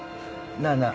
なあなあ。